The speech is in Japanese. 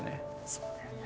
そうだよね。